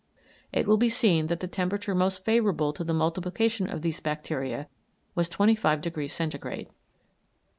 It will be seen that the temperature most favourable to the multiplication of these bacteria was 25 degrees Centigrade.